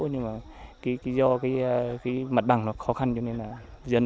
nhưng do mặt bằng khó khăn cho nên là dân vẫn